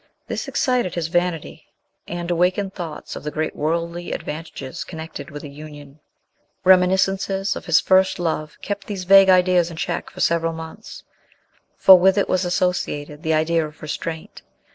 This excited his vanity, and awakened thoughts of the great worldly advantages connected with a union. Reminiscences of his first love kept these vague ideas in check for several months; for with it was associated the idea of restraint.